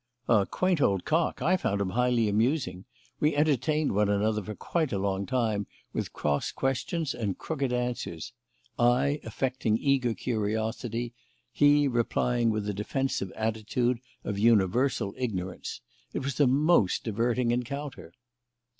"A quaint old cock. I found him highly amusing. We entertained one another for quite a long time with cross questions and crooked answers; I affecting eager curiosity, he replying with a defensive attitude of universal ignorance. It was a most diverting encounter."